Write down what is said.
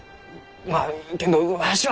まあけんどわしは。